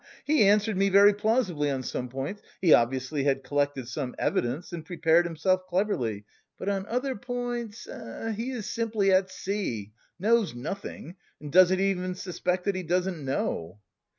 He he! He answered me very plausibly on some points, he obviously had collected some evidence and prepared himself cleverly. But on other points he is simply at sea, knows nothing and doesn't even suspect that he doesn't know!